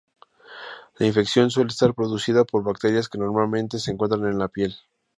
La infección suele estar producida por bacterias que normalmente se encuentran en la piel.